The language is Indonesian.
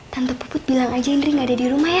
tante puput bilang aja indri gak ada di rumah ya